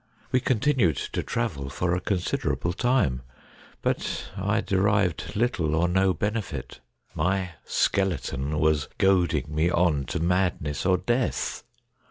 We continued to travel for a considerable time, but I derived little or no benefit. My Skeleton was goading me on to madness or death.